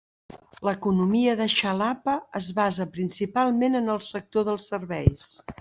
L'economia de Xalapa es basa principalment en el sector dels serveis.